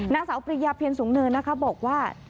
นางสาวปริยาเพียรสูงเนินนะคะบอกว่า